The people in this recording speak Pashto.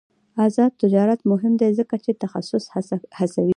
آزاد تجارت مهم دی ځکه چې تخصص هڅوي.